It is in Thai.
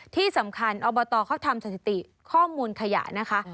ที่สำคัญอบตเขาทำสถิติข้อมูลขยะนะคะ